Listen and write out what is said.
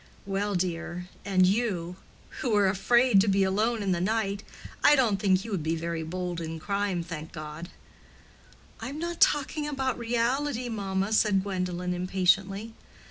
"Well, dear, and you—who are afraid to be alone in the night—I don't think you would be very bold in crime, thank God." "I am not talking about reality, mamma," said Gwendolen, impatiently.